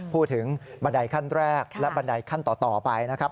ถึงบันไดขั้นแรกและบันไดขั้นต่อไปนะครับ